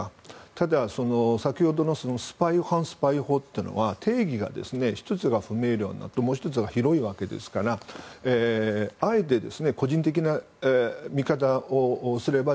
ただ、先ほどの反スパイ法というのは１つ、定義が不明瞭なのともう１つは広いわけですからあえて個人的な見方をすれば